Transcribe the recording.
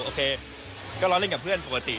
โอเคก็ล้อเล่นกับเพื่อนปกติ